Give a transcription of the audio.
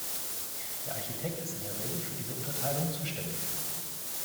Der Architekt ist in der Regel für diese Unterteilung zuständig.